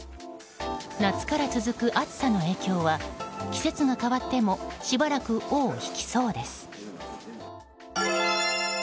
夏から続く暑さの影響は季節が変わってもしばらく尾を引きそうです。